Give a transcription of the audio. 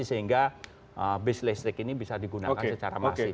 sehingga bis listrik ini bisa digunakan secara masif